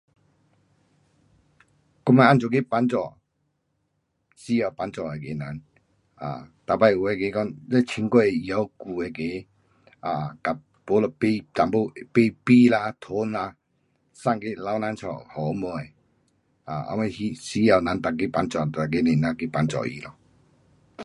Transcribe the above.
我们这样去帮助需要帮助的那个人，um 每次有那个讲，你穿过的，拿旧的那个，um 不就买一点，买米啦，糖啦，送去老人家给什么，um 我们需，需要人去帮助那一个咱去帮助他咯。